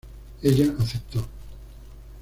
Ella aceptó.